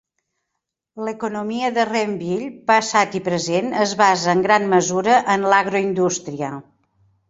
L'economia de Renville, passat i present, es basa en gran mesura en l'agroindústria.